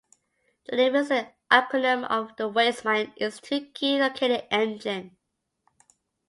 The name is an acronym of "The Weizmann Institute Key Locating Engine".